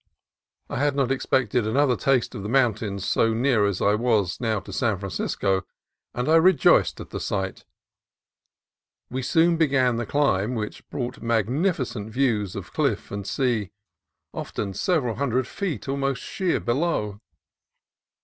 I had not expected another taste of the mountains so near as I now was to San Francisco, and I rejoiced at the sight. We soon began the climb, which brought mag nificent views of cliff and sea, often several hundred feet almost sheer below.